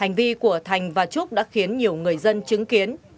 hành vi của thành và trúc đã khiến nhiều người dân chứng kiến